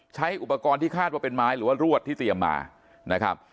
ใช้อุปกรณ์ที่คาดว่าเป็นไม้หรือว่ารวดที่เตรียมมานะครับ